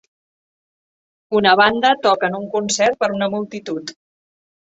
Una banda toca en un concert per una multitud.